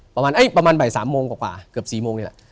ประมาณบ่าย๓โมงกว่าเกือบ๔โมงนี่แหละ